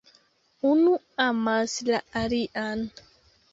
Unu amas la alian.